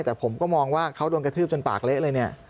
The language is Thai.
แต่ผมก็มองว่าเขาโดนกระทืบจนปากเละเลยเนี่ย